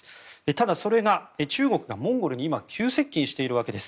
ただ、それが中国がモンゴルに今、急接近しているわけです。